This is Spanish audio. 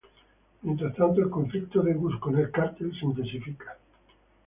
Mientras tanto, el conflicto de Gus con el Cártel se intensifica.